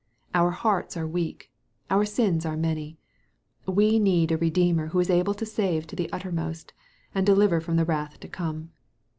Our hearts are weak. Our sins are many. We need a Redeemer vho is able to save to the uttermost, and deliver from the wrath to come.